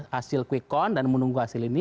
hasil kwekon dan menunggu hasil ini